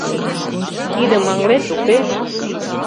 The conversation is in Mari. Тидым ыҥлет, уке?